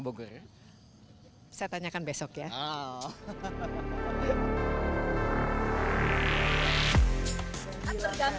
mungkin itu juga yang jadi alasan pak jokowi memilih untuk tinggal di sini